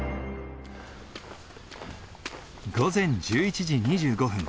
午前１１時２５分。